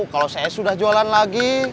kalau saya sudah jualan lagi